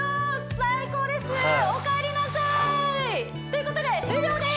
最高ですおかえりなさいっていうことで終了です